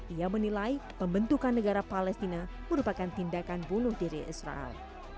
ia menilai pembentukan negara palestina merupakan tindakan bunuh diri israel